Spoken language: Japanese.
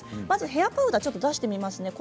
まずヘアパウダーを出してみます。